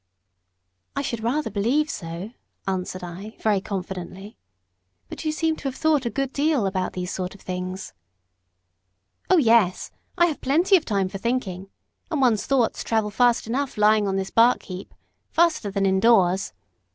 "I should rather believe so," answered I, very confidently. "But you seem to have thought a good deal about these sort of things." "Oh, yes! I have plenty of time for thinking, and one's thoughts travel fast enough lying on this bark heap faster than indoors.